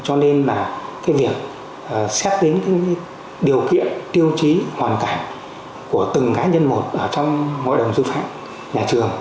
cho nên là cái việc xét tính điều kiện tiêu chí hoàn cảnh của từng cá nhân một trong ngôi đồng dư phạm nhà trường